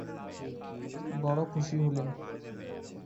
বড়ো খুশি হলেম।